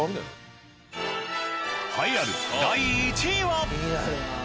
栄えある第１位は？